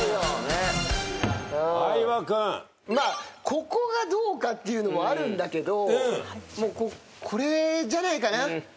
ここがどうかっていうのもあるんだけどこれじゃないかな。